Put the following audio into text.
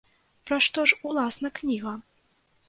Пра што ж уласна кніга?